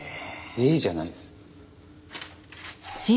「ええ」じゃないです。